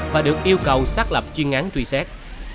và được yêu cầu xác lập chuyên án truy xét